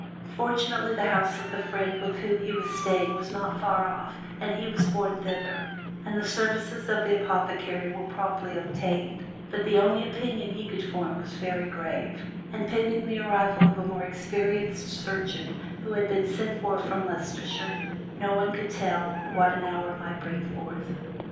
Fortunately, the house of the friend with whom he was staying was not far off, and he was borne thither, and the services of the apothecary were promptly obtained; but the only opinion he could form was very grave, and pending the arrival of a more experienced surgeon, who had been sent for from Leicester, no one could tell what an hour might bring forth.